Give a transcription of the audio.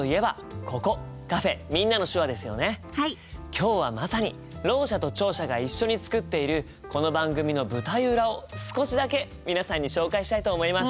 今日はまさにろう者と聴者が一緒に作っているこの番組の舞台裏を少しだけ皆さんに紹介したいと思います。